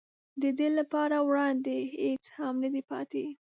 د ده لپاره وړاندې هېڅ هم نه دي پاتې.